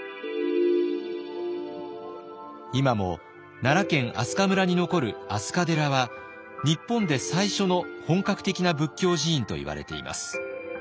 今も奈良県明日香村に残る飛鳥寺は日本で最初の本格的な仏教寺院といわれています。